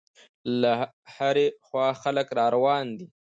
له هرې خوا خلک را روان دي.